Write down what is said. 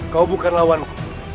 kau bukan lawanku